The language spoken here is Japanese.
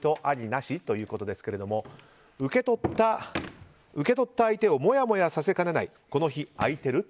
なし？ということですが受け取った相手をもやもやさせかねないこの日空いてる？